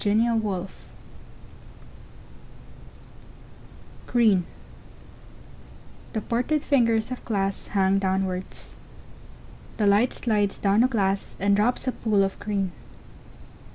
Blue & Green GreenTHE PORTED fingers of glass hang downwards. The light slides down the glass, and drops a pool of green.